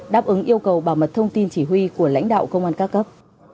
đáp ứng yêu cầu bảo mật thông tin chỉ huy của lãnh đạo công an các cấp